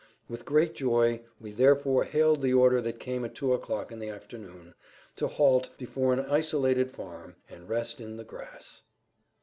With great joy we therefore hailed the order that came at 2 o'clock in the afternoon, to halt before an isolated farm and rest in the grass.